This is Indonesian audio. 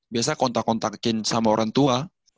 biasa kontak kontakin sama orang tua